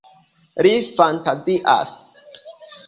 Li fantazias.